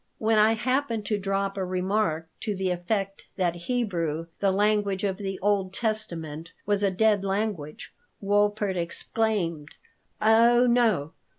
When I happened to drop a remark to the effect that Hebrew, the language of the Old Testament, was a dead language, Wolpert exclaimed: "Oh no!